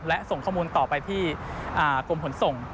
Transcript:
และส่งข้อมูลต่อไปที่กรมขนส่ง